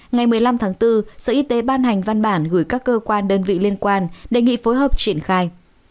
ngày một mươi năm tháng bốn sở y tế ban hành văn bản gửi các cơ quan đơn vị liên quan đề nghị phối hợp triển khai